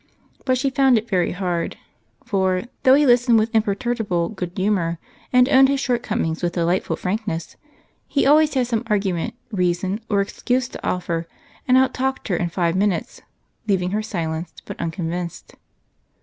But she found it very hard, for though he listened with imperturbable good humor, and owned his shortcomings with delightful frankness, he always had some argument, reason, or excuse to offer and out talked her in five minutes, leaving her silenced but unconvinced.